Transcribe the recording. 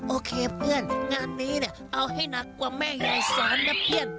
โอเคเพื่อนงานนี้เนี่ยเอาให้หนักกว่าแม่ยายสอนนะเพื่อน